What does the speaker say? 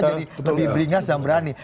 lebih beringas dan berani